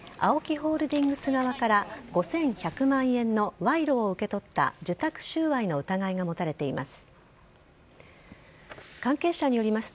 ＡＯＫＩホールディングス側から５１００万円の賄賂を受け取った受託収賄の疑いが持たれています。